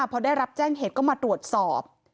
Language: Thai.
พอได้รับแจ้งเหตุก็มาตรวจสอบ